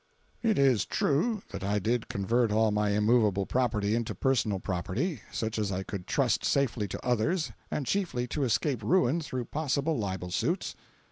"It is true that I did convert all my immovable property into personal property, such as I could trust safely to others, and chiefly to escape ruin through possible libel suits."